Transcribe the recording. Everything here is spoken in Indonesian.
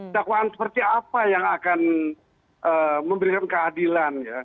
dakwaan seperti apa yang akan memberikan keadilan ya